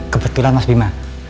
kebetulan mas bima